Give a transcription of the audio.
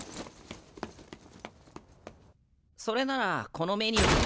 それならこのメニューと。